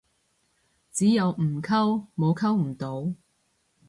只有唔溝，冇溝唔到